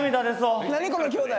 この兄弟。